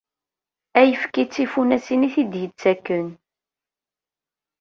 Ayefki d tifunasin i t-id-yettakken.